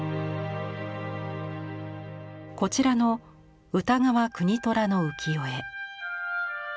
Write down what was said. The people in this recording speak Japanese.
こちらの歌川国虎の浮世絵。